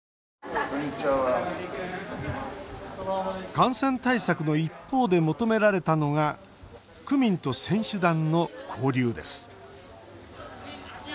感染対策の一方で求められたのが区民と選手団の交流です。